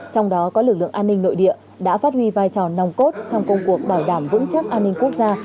trong đó có lực lượng an ninh nội địa đã phát huy vai trò nòng cốt trong công cuộc bảo đảm vững chắc an ninh quốc gia